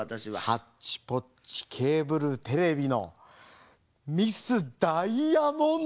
ハッチポッチケーブルテレビのミス・ダイヤモンド！